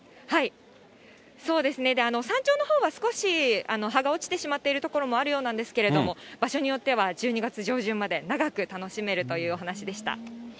そうですね、山頂のほうは少し葉が落ちてしまっている所もあるようなんですけれども、場所によっては１２月上旬まで、長く楽しめるというお話でした。